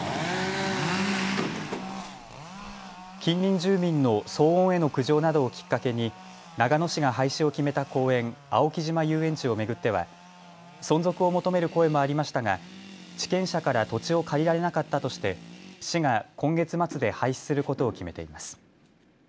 近隣住民の騒音への苦情などをきっかけに長野市が廃止を決めた公園、青木島遊園地を巡っては、存続を求める声もありましたが地権者から土地を借りられなかったとして市が今月末で廃止することを決めています。